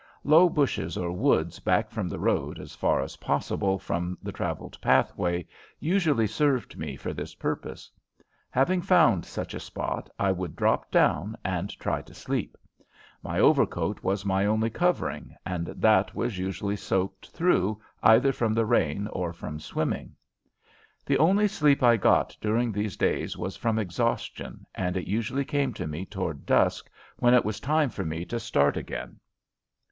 Low bushes or woods back from the road, as far as possible from the traveled pathway, usually served me for this purpose. Having found such a spot, I would drop down and try to sleep. My overcoat was my only covering, and that was usually soaked through either from the rain or from swimming. The only sleep I got during those days was from exhaustion, and it usually came to me toward dusk when it was time for me to start again.